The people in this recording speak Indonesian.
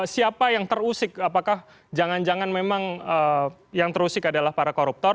siapa yang terusik apakah jangan jangan memang yang terusik adalah para koruptor